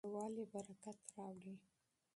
یووالی برکت راوړي.